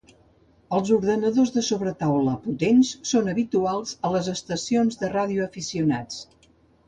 Els ordenadors de sobretaula potents són habituals a les estacions de radioaficionats.